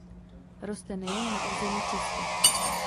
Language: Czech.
Roste nejen na území Česka.